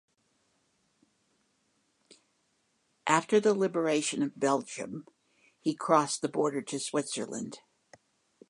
After the liberation of Belgium, he crossed the border to Switzerland.